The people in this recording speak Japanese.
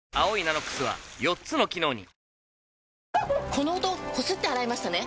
この音こすって洗いましたね？